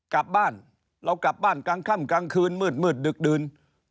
กลับบ้านเรากลับบ้านกลางค่ำกลางคืนมืดดึกดื่น